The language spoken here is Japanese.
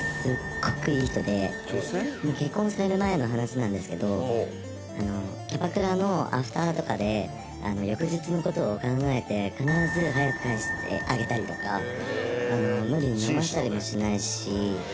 「結婚する前の話なんですけどキャバクラのアフターとかで翌日の事を考えて必ず早く帰してあげたりとか無理に飲ませたりもしないし」